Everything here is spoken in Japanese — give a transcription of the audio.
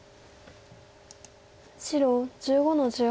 白１５の十八。